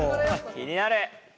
気になる！